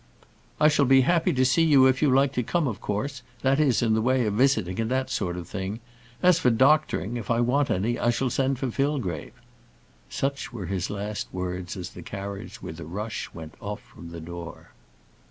"I shall be happy to see you if you like to come, of course; that is, in the way of visiting, and that sort of thing. As for doctoring, if I want any I shall send for Fillgrave." Such were his last words as the carriage, with a rush, went off from the door.